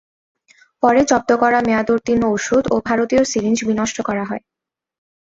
পরে জব্দ করা মেয়াদোত্তীর্ণ ওষুধ ও ভারতীয় সিরিঞ্জ বিনষ্ট করা হয়।